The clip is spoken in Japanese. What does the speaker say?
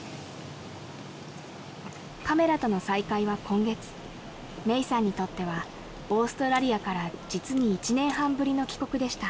カメラとの再会は今月メイさんにとってはオーストラリアから実に１年半ぶりの帰国でした